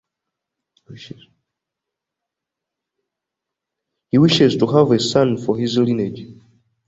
He wishes to have a son for his lineage.